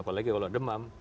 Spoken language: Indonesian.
apalagi kalau demam